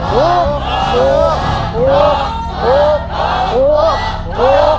หุบหุบหุบหุบหุบหุบ